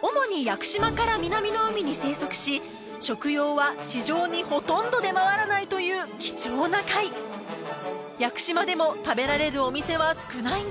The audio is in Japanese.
主に屋久島から南の海に生息し食用は市場にほとんど出回らないという貴重な貝屋久島でも食べられるお店は少ないんだ